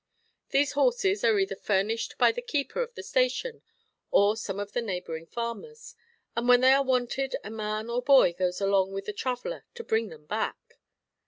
These horses are either furnished by the keeper of the station or some of the neighboring farmers, and when they are wanted a man or boy goes along with the traveler to bring them back.